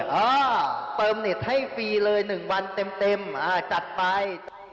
อ้าวเติมเน็ตให้ฟรีเลย๑วันเต็มจัดไป